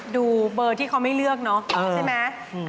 ดูเบอร์ที่เขาไม่เลือกเนาะใช่ไหม